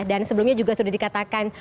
dan sebelumnya juga sudah dikatakan